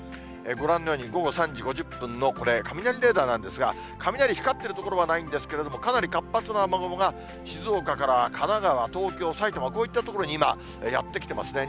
ご覧のように午後３時５０分のこれ、雷レーダーなんですが、雷光っている所はないんですけれども、かなり活発な雨雲が静岡から神奈川、東京、埼玉、こういった所に今やって来てますね。